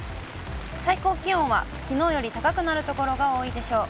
最高気温はきのうより高くなる所が多いでしょう。